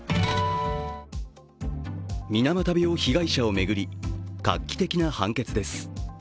水俣病被害者を巡り、画期的な判決です。